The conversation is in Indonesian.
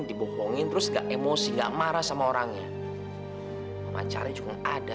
ini nanti papa lurus aja